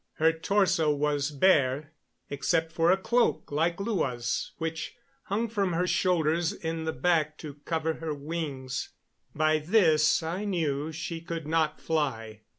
Her torso was bare, except for a cloak like Lua's which hung from her shoulders in the back to cover her wings. By this I knew she could not fly.